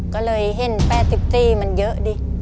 ก็เลยเห็นแป้ติมันเยอะดิ